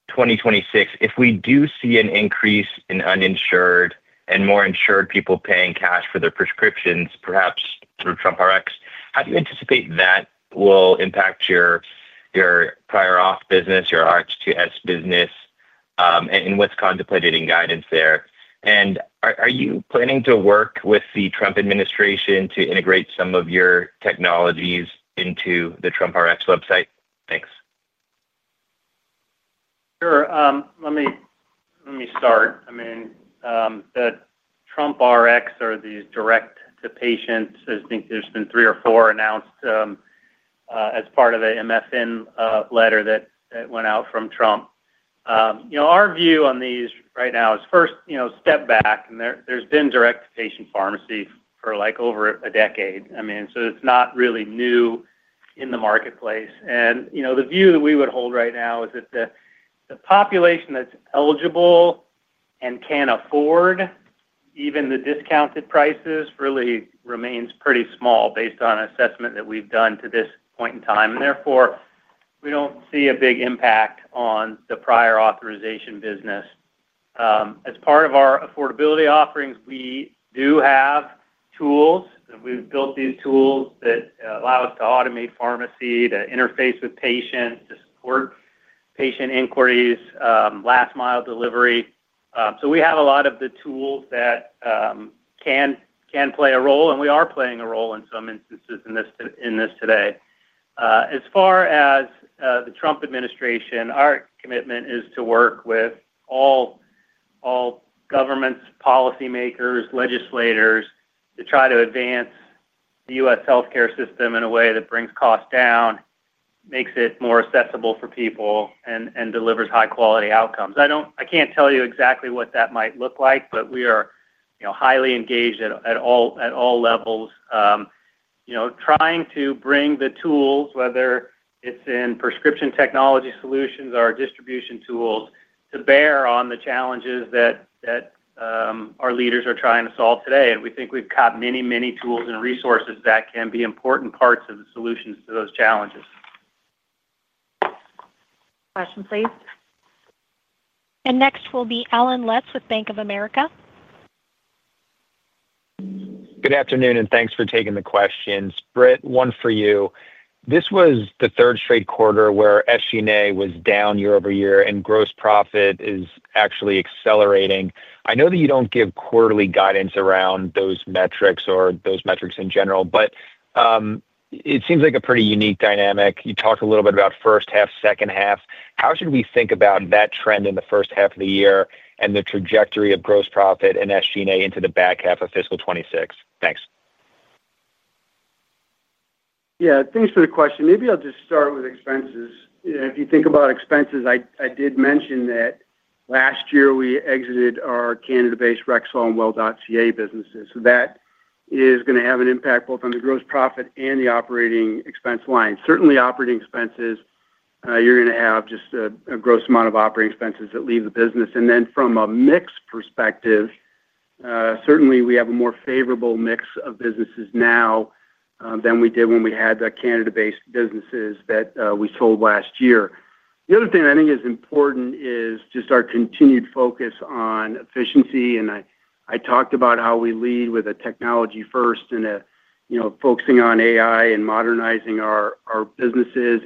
2026, if we do see an increase in uninsured and more insured people paying cash for their prescriptions, perhaps through TrumpRx, how do you anticipate that will impact your prior auth business, your RxTS business. What's contemplated in guidance there? Are you planning to work with the Trump administration to integrate some of your technologies into the TrumpRx website? Thanks. Sure. Let me start. I mean, the TrumpRx or these direct-to-patient, I think there's been three or four announced as part of the MFN letter that went out from Trump. Our view on these right now is first, step back. There's been direct-to-patient pharmacy for over a decade. I mean, so it's not really new in the marketplace. The view that we would hold right now is that the population that's eligible and can afford even the discounted prices really remains pretty small based on assessment that we've done to this point in time. Therefore, we don't see a big impact on the prior authorization business. As part of our affordability offerings, we do have tools. We've built these tools that allow us to automate pharmacy, to interface with patients, to support patient inquiries, last-mile delivery. We have a lot of the tools that can play a role, and we are playing a role in some instances in this today. As far as the Trump administration, our commitment is to work with all governments, policymakers, legislators to try to advance the U.S. healthcare system in a way that brings costs down, makes it more accessible for people, and delivers high-quality outcomes. I can't tell you exactly what that might look like, but we are highly engaged at all levels, trying to bring the tools, whether it's in Prescription Technology Solutions or distribution tools, to bear on the challenges that our leaders are trying to solve today. We think we've got many, many tools and resources that can be important parts of the solutions to those challenges. Question, please. Next will be Allen Lutz with Bank of America. Good afternoon, and thanks for taking the questions. Britt, one for you. This was the third straight quarter where SG&A was down year-over-year, and gross profit is actually accelerating. I know that you don't give quarterly guidance around those metrics or those metrics in general, but it seems like a pretty unique dynamic. You talked a little bit about first half, second half. How should we think about that trend in the first half of the year and the trajectory of gross profit and SG&A into the back half of fiscal 2026? Thanks. Yeah, thanks for the question. Maybe I'll just start with expenses. If you think about expenses, I did mention that last year we exited our Canada-based Rexall and Well.ca businesses. That is going to have an impact both on the gross profit and the operating expense line. Certainly, operating expenses, you're going to have just a gross amount of operating expenses that leave the business. From a mix perspective, certainly, we have a more favorable mix of businesses now than we did when we had the Canada-based businesses that we sold last year. The other thing I think is important is just our continued focus on efficiency. I talked about how we lead with a technology first and focusing on AI and modernizing our businesses.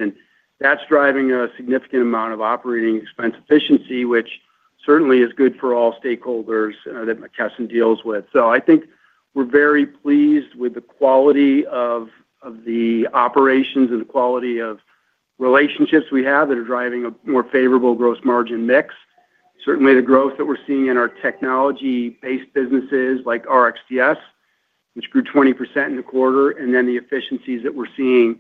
That is driving a significant amount of operating expense efficiency, which certainly is good for all stakeholders that McKesson deals with. I think we're very pleased with the quality of the operations and the quality of relationships we have that are driving a more favorable gross margin mix. Certainly, the growth that we're seeing in our technology-based businesses like RxTS, which grew 20% in the quarter, and then the efficiencies that we're seeing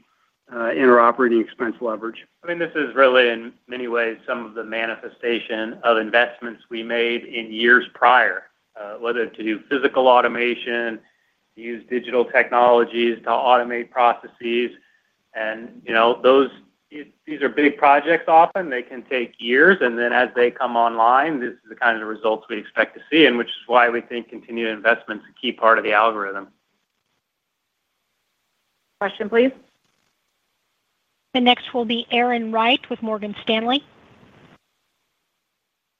in our operating expense leverage. I mean, this is really, in many ways, some of the manifestation of investments we made in years prior, whether to do physical automation, use digital technologies to automate processes. These are big projects often. They can take years. As they come online, this is the kind of results we expect to see, which is why we think continued investment is a key part of the algorithm. Question, please. Next will be Erin Wright with Morgan Stanley.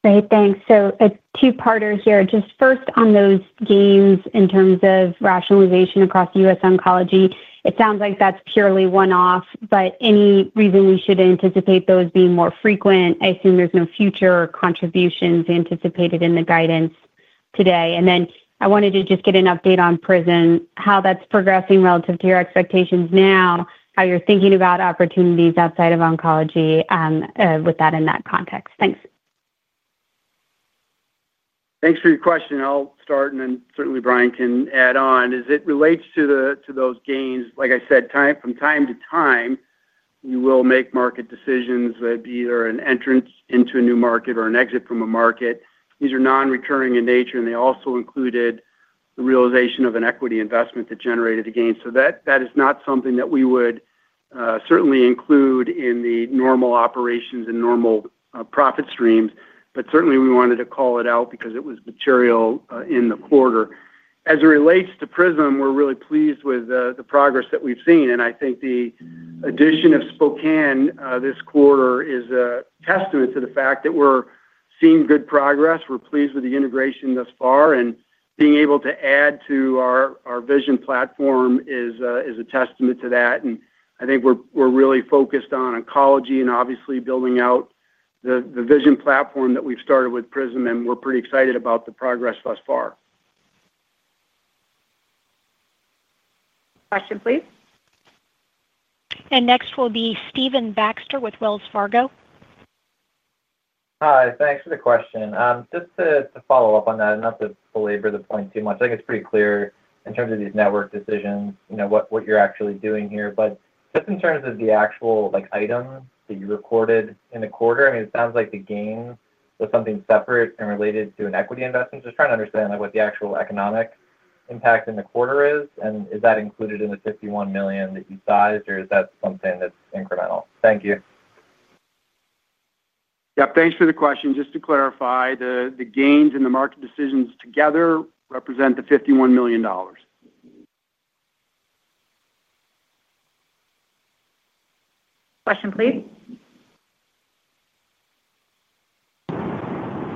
Great, thanks. A two-parter here. Just first on those gains in terms of rationalization across US Oncology, it sounds like that's purely one-off, but any reason we should anticipate those being more frequent? I assume there's no future contributions anticipated in the guidance today. I wanted to just get an update on PRISM, how that's progressing relative to your expectations now, how you're thinking about opportunities outside of oncology with that in that context. Thanks. Thanks for your question. I'll start, and then certainly Brian can add on. As it relates to those gains, like I said, from time to time, we will make market decisions that be either an entrance into a new market or an exit from a market. These are non-recurring in nature, and they also included the realization of an equity investment that generated the gains. That is not something that we would certainly include in the normal operations and normal profit streams, but certainly we wanted to call it out because it was material in the quarter. As it relates to PRISM, we're really pleased with the progress that we've seen. I think the addition of Spokane this quarter is a testament to the fact that we're seeing good progress. We're pleased with the integration thus far, and being able to add to our Vision platform is a testament to that. I think we're really focused on oncology and obviously building out the Vision platform that we've started with PRISM, and we're pretty excited about the progress thus far. Question, please. Next will be Stephen Baxter with Wells Fargo. Hi, thanks for the question. Just to follow up on that, not to belabor the point too much, I think it's pretty clear in terms of these network decisions, what you're actually doing here. But just in terms of the actual items that you recorded in the quarter, I mean, it sounds like the gain was something separate and related to an equity investment. Just trying to understand what the actual economic impact in the quarter is, and is that included in the $51 million that you sized, or is that something that's incremental? Thank you. Yep, thanks for the question. Just to clarify, the gains and the market decisions together represent the $51 million. Question, please.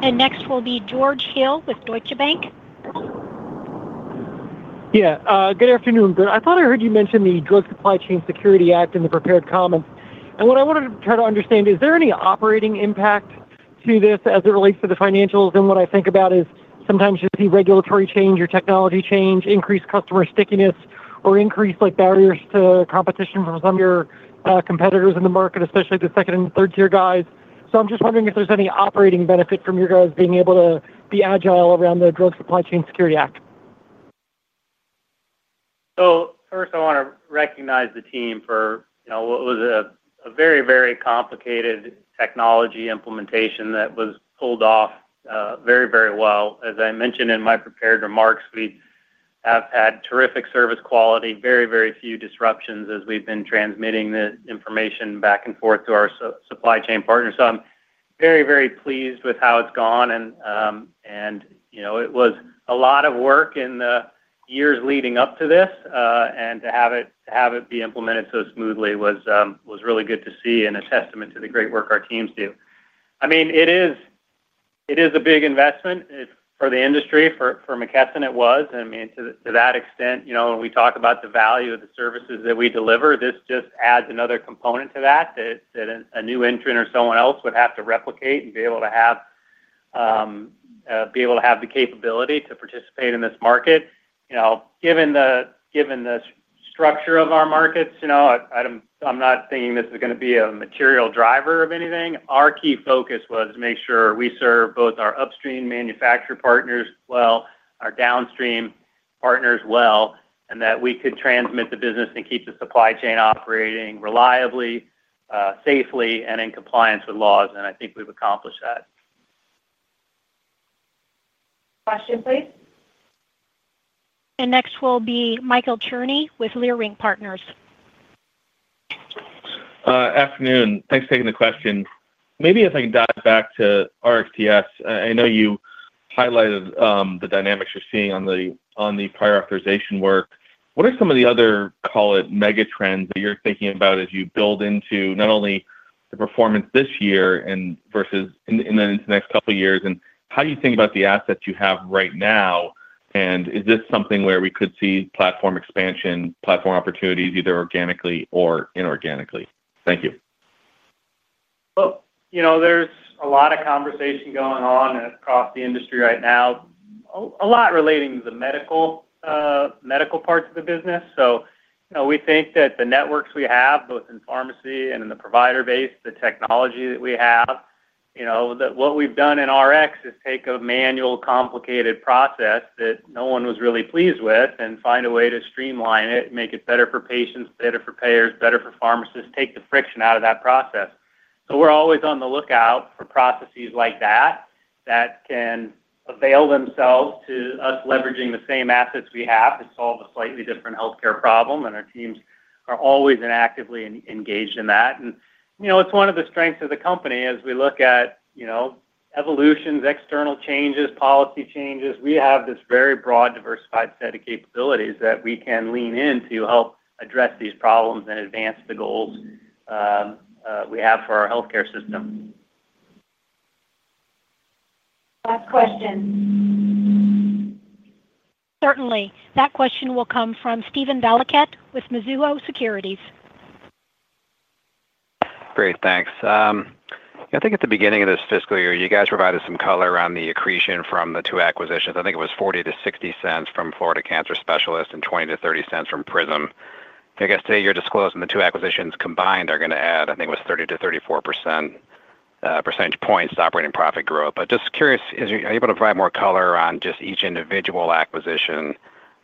And next will be George Hill with Deutsche Bank. Yeah, good afternoon. I thought I heard you mention the Drug Supply Chain Security Act in the prepared comments. What I wanted to try to understand, is there any operating impact to this as it relates to the financials? What I think about is sometimes you see regulatory change or technology change, increased customer stickiness, or increased barriers to competition from some of your competitors in the market, especially the second and third-tier guys. I'm just wondering if there's any operating benefit from your guys being able to be agile around the Drug Supply Chain Security Act. First, I want to recognize the team for what was a very, very complicated technology implementation that was pulled off very, very well. As I mentioned in my prepared remarks, we have had terrific service quality, very, very few disruptions as we've been transmitting the information back and forth to our supply chain partners. I'm very, very pleased with how it's gone. It was a lot of work in the years leading up to this, and to have it be implemented so smoothly was really good to see and a testament to the great work our teams do. I mean, it is a big investment for the industry. For McKesson, it was. I mean, to that extent, when we talk about the value of the services that we deliver, this just adds another component to that, that a new entrant or someone else would have to replicate and be able to have the capability to participate in this market. Given the structure of our markets, I'm not thinking this is going to be a material driver of anything. Our key focus was to make sure we serve both our upstream manufacturer partners well, our downstream partners well, and that we could transmit the business and keep the supply chain operating reliably, safely, and in compliance with laws. I think we've accomplished that. Question, please. Next will be Michael Cherny with Leerink Partners. Afternoon. Thanks for taking the question. Maybe if I can dial it back to RxTS, I know you highlighted the dynamics you're seeing on the prior authorization work. What are some of the other, call it, mega trends that you're thinking about as you build into not only the performance this year versus in the next couple of years? How do you think about the assets you have right now? Is this something where we could see platform expansion, platform opportunities, either organically or inorganically? Thank you. There is a lot of conversation going on across the industry right now. A lot relating to the medical parts of the business. We think that the networks we have, both in pharmacy and in the provider base, the technology that we have. What we've done in Rx is take a manual, complicated process that no one was really pleased with and find a way to streamline it, make it better for patients, better for payers, better for pharmacists, take the friction out of that process. We're always on the lookout for processes like that that can avail themselves to us leveraging the same assets we have to solve a slightly different healthcare problem. Our teams are always actively engaged in that. It is one of the strengths of the company as we look at evolutions, external changes, policy changes. We have this very broad, diversified set of capabilities that we can lean in to help address these problems and advance the goals we have for our healthcare system. Last question. Certainly. That question will come from Steven Valiquette with Mizuho Securities. Great, thanks. I think at the beginning of this fiscal year, you guys provided some color around the accretion from the two acquisitions. I think it was $0.40-$0.60 from Florida Cancer Specialists and $0.20-$0.30 from PRISM. I guess today you're disclosing the two acquisitions combined are going to add, I think it was 30-34 percentage points to operating profit growth. Just curious, are you able to provide more color on just each individual acquisition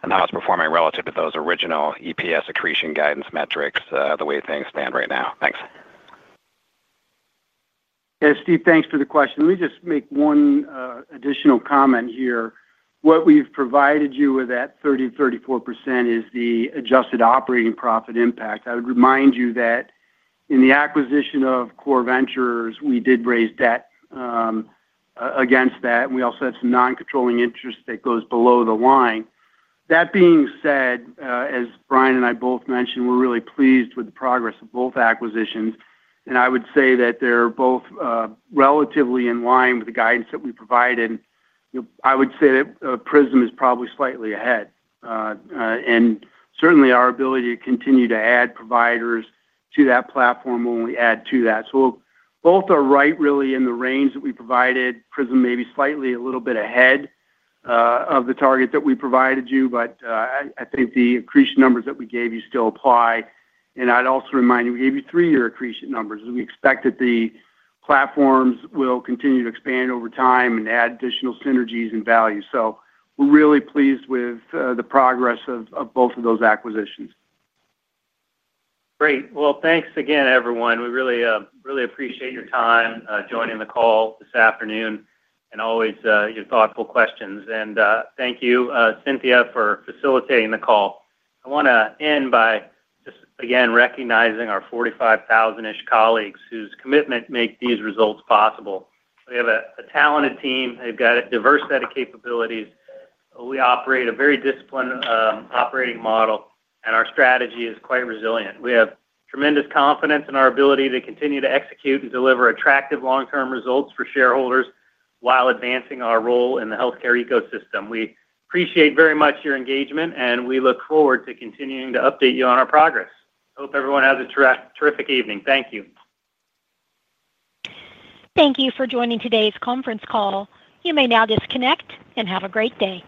and how it's performing relative to those original EPS accretion guidance metrics the way things stand right now? Thanks. Yeah, Steve, thanks for the question. Let me just make one additional comment here. What we've provided you with at 30%-34% is the adjusted operating profit impact. I would remind you that in the acquisition of Core Ventures, we did raise debt against that. We also had some non-controlling interest that goes below the line. That being said, as Brian and I both mentioned, we're really pleased with the progress of both acquisitions. I would say that they're both relatively in line with the guidance that we provided. I would say that PRISM is probably slightly ahead. Certainly our ability to continue to add providers to that platform will only add to that. Both are right, really, in the range that we provided. PRISM may be slightly a little bit ahead of the target that we provided you, but I think the accretion numbers that we gave you still apply. I'd also remind you, we gave you three-year accretion numbers. We expect that the platforms will continue to expand over time and add additional synergies and value. We are really pleased with the progress of both of those acquisitions. Great. Thanks again, everyone. We really appreciate your time joining the call this afternoon and always your thoughtful questions. Thank you, Cynthia, for facilitating the call. I want to end by just, again, recognizing our 45,000-ish colleagues whose commitment makes these results possible. We have a talented team. They have got a diverse set of capabilities. We operate a very disciplined operating model, and our strategy is quite resilient. We have tremendous confidence in our ability to continue to execute and deliver attractive long-term results for shareholders while advancing our role in the healthcare ecosystem. We appreciate very much your engagement, and we look forward to continuing to update you on our progress. Hope everyone has a terrific evening. Thank you. Thank you for joining today's conference call. You may now disconnect and have a great day.